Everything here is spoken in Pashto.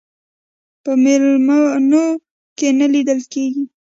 په میلمنو کې نه لیدل کېږي.